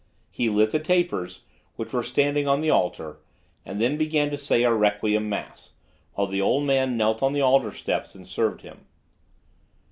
He lit the tapers, which were standing on the altar, and then began to say a Requiem Mass; while the old man knelt on the altar steps and served him.